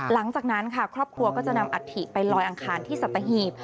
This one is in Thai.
หลังจากนั้นค่ะครอบครัวก็จะนำอัฐิไปลอยอังคารที่สัตหีบ